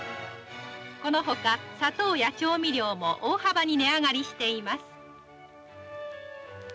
この他砂糖や調味料も大幅に値上がりしています。